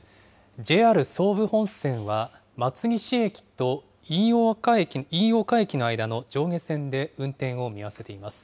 ＪＲ総武本線は松岸駅と飯岡駅の間の上下線で運転を見合わせています。